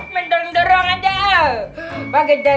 mendorong dorong aja ah baga